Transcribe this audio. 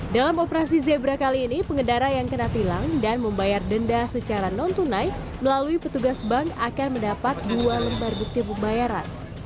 dalam operasi zebra kali ini pengendara yang kena tilang dan membayar denda secara non tunai melalui petugas bank akan mendapat dua lembar bukti pembayaran